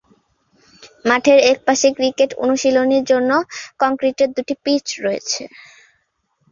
মাঠের এক পাশে ক্রিকেট অনুশীলনের জন্য কংক্রিটের দুটি পিচ রয়েছে।